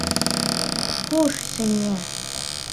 Хуш, Сания!